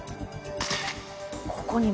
ここにも。